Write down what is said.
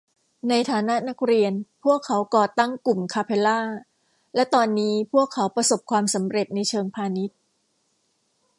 ในฐานะนักเรียนพวกเขาก่อตั้งกลุ่มคาเพลลาและตอนนี้พวกเขาประสบความสำเร็จในเชิงพาณิชย์